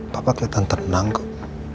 papa kelihatan tenang kok